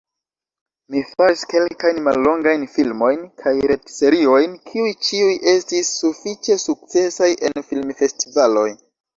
Mi faris kelkajn mallongajn filmojn kaj retseriojn, kiuj ĉiuj estis sufiĉe sukcesaj en filmfestivaloj.